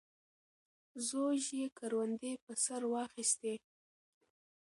زوږ یې کروندې په سر واخیستې.